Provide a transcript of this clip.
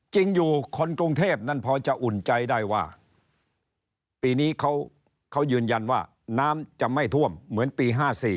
จริงอยู่คนกรุงเทพนั้นพอจะอุ่นใจได้ว่าปีนี้เขายืนยันว่าน้ำจะไม่ท่วมเหมือนปี๕๔